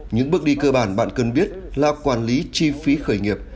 những bước đi cơ bản bạn cần biết là quản lý chi phí khởi nghiệp